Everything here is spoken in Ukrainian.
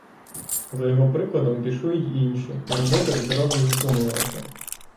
За його прикладом пішли й інші, і робота відразу зупинилася.